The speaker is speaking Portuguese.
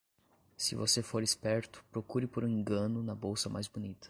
Se você for esperto, procure por um engano na bolsa mais bonita.